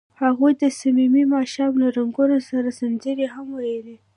هغوی د صمیمي ماښام له رنګونو سره سندرې هم ویلې.